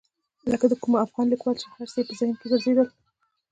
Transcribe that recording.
لکه د کوم افغان لیکوال چې هر څه یې په ذهن کې ګرځېدل.